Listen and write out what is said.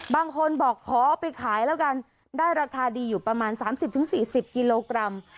บางคนบอกขอเอาไปขายแล้วกันได้ราคาดีอยู่ประมาณ๓๐๔๐กิโลกรัม